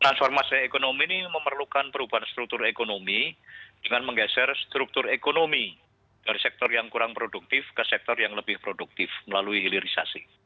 transformasi ekonomi ini memerlukan perubahan struktur ekonomi dengan menggeser struktur ekonomi dari sektor yang kurang produktif ke sektor yang lebih produktif melalui hilirisasi